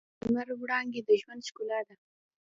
د لمر وړانګې د ژوند ښکلا ده.